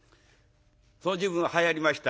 その時分はやりました